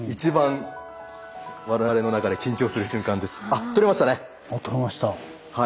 あっ取れましたね。